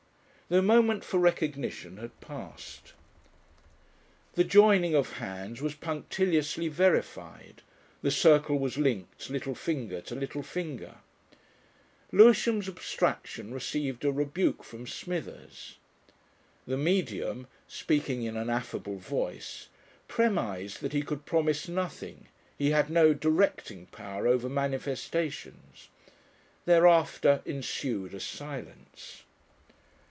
The moment for recognition had passed. The joining of hands was punctiliously verified, the circle was linked little finger to little finger. Lewisham's abstraction received a rebuke from Smithers. The Medium, speaking in an affable voice, premised that he could promise nothing, he had no "directing" power over manifestations. Thereafter ensued a silence....